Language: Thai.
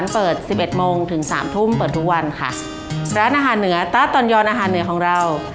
เปิดสิบเอ็ดโมงถึงสามทุ่มเปิดทุกวันค่ะร้านอาหารเหนือตาตอนยอนอาหารเหนือของเรา